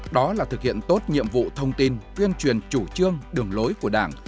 đó là thực hiện tốt nhiệm vụ thông tin tuyên truyền chủ trương đường lối của đảng